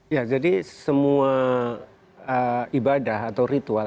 ya jadi semua ibadah atau ritual